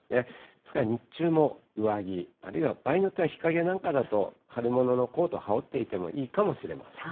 ですから、日中も上着、あるいは場合によっては日陰なんかだと、春物のコート、羽織っていてもいいかもしれません。